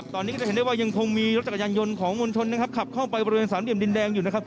ตอนนี้ก็จะเห็นได้ว่ายังคงมีรถจักรยานยนต์ของมวลชนนะครับขับเข้าไปบริเวณสามเหลี่ยมดินแดงอยู่นะครับ